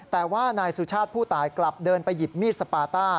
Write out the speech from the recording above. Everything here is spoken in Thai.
แต่ว่านายสุชาติผู้ตายกลับเดินไปหยิบมีดสปาต้า